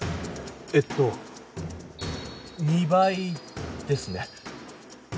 えっと２倍ですね。